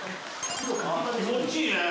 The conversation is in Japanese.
気持ちいいねぇ。